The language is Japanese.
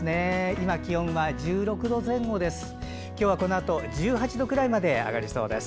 今、気温は１６度前後です。